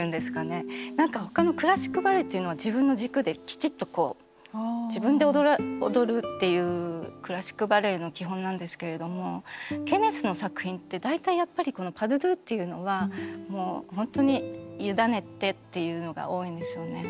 ほかのクラシックバレエっていうのは自分の軸できちっとこう自分で踊るっていうクラシックバレエの基本なんですけれどもケネスの作品って大体やっぱりこのパドドゥっていうのはもう本当に委ねてっていうのが多いんですよね。